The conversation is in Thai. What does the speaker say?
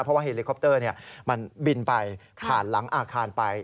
เพราะว่าเฮลิคอปเตอร์มันบินไปผ่านหลังอาคารไป